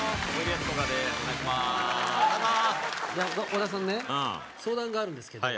小田さんね、相談があるんですけど。